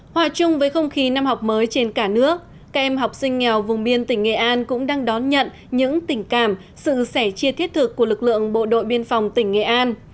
hòa chung với không khí năm học mới trên cả nước các em học sinh nghèo vùng biên tỉnh nghệ an cũng đang đón nhận những tình cảm sự sẻ chia thiết thực của lực lượng bộ đội biên phòng tỉnh nghệ an